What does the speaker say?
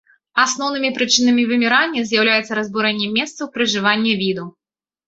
Асноўнымі прычынамі вымірання з'яўляюцца разбурэнне месцаў пражывання віду.